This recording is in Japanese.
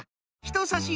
ひとさし